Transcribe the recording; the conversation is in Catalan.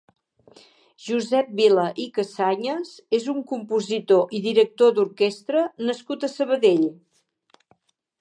Josep Vila i Casañas és un compositor i director d'oquestra nascut a Sabadell.